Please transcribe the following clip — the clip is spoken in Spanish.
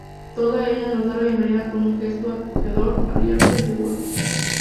Toda ella nos da la bienvenida con un gesto acogedor, abierto y seguro.